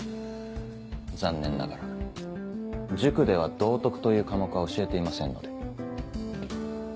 残念ながら塾では道徳という科目は教えていませんので。